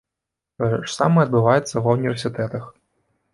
Тое ж самае адбываецца ва ўніверсітэтах.